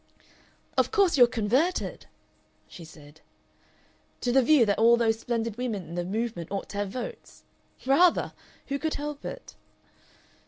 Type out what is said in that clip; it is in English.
"Of course you're converted?" she said. "To the view that all those Splendid Women in the movement ought to have votes. Rather! Who could help it?"